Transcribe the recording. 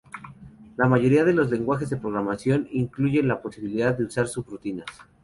La mayoría de los lenguajes de programación incluyen la posibilidad de usar subrutinas.